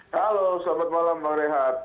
halo selamat malam bang rehat